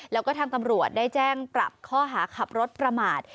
แล้วก็ทางตำรวจได้แจ้งปรับข้อหาขับรถประมาท